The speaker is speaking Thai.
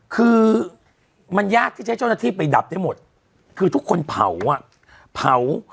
คือมันยากที่ใช้โชว์นรัฐีไปดับได้เลยคือทุกคนเผาอ่ะเผา